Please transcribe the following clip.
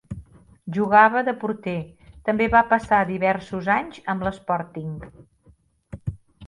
Jugava de porter, també va passar diversos anys amb l"Sporting.